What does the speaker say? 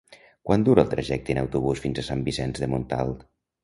Quant dura el trajecte en autobús fins a Sant Vicenç de Montalt?